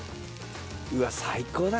うわっ最高だ。